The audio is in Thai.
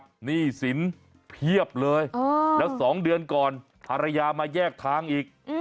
อีกตั้งหากนี่สินเพียบเลยแล้วสองเดือนก่อนธรรยามาแยกทางอีก